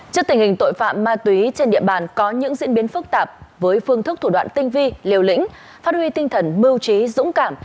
trước tình hình tội phạm ma túy trên địa bàn có những diễn biến phức tạp với phương thức thủ đoạn tinh vi liều lĩnh phát huy tinh thần mưu trí dũng cảm